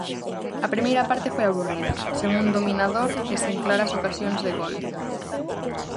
A primeira parte foi aburrida, sen un dominador e sen claras ocasións de gol.